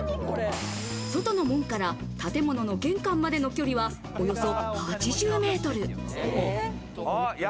外の門から建物の玄関までの距離は、およそ８０ｍ。